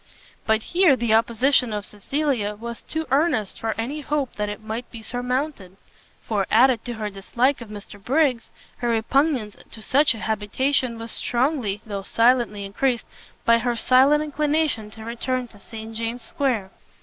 But here the opposition of Cecilia was too earnest for any hope that it might be surmounted; for, added to her dislike of Mr Briggs, her repugnance to such an habitation was strongly, though silently increased, by her secret inclination to return to St James's square.